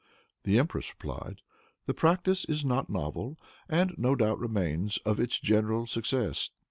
The empress replied, "The practice is not novel, and no doubt remains of its general success.